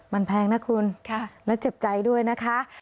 มันแพงนะคุณและเจ็บใจด้วยนะคะ